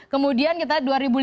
kemudian kita dua ribu lima belas